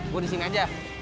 bu di sini aja